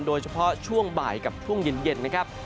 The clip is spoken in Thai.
โดยเฉพาะช่วงบ่ายกับช่วงเย็นนะครับ